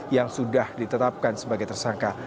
yang sudah ditetapkan sebagai tersangka